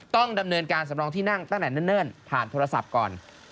ต้องดำเนินการสำรองที่นั่งตั้งแต่เนิ่นผ่านโทรศัพท์ก่อน